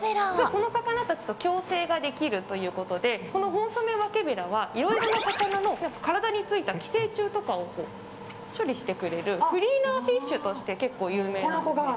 この魚たちと共生できるということでホンソメワケベラはいろいろな魚の体についた寄生虫とかを処理してくれるクリーナーフィッシュとして有名なんです。